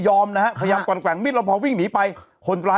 ยังไงยังไงยังไงยังไงยังไง